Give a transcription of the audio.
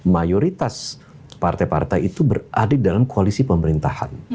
mayoritas partai partai itu berada di dalam koalisi pemerintahan